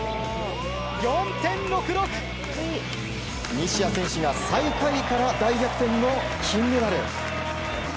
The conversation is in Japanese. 西矢選手が最下位から大逆転の金メダル。